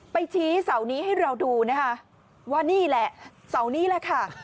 ไปชี้เสานี้ให้เราดูนะคะว่านี่แหละเสานี้แหละค่ะ